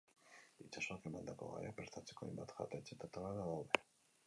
Itsasoak emandako gaiak prestatzeko hainbat jatetxe eta taberna daude.